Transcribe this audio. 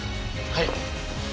はい。